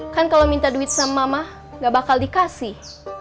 kan kalau minta duit sama mama gak bakal dikasih